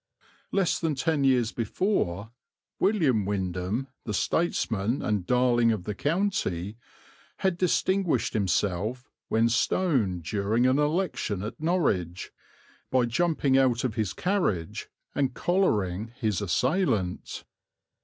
Less than ten years before "William Windham, the statesman and darling of the county" had distinguished himself, when stoned during an election at Norwich, by jumping out of his carriage and collaring his assailant.